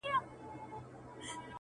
لوستونکي پرې فکر کوي ډېر,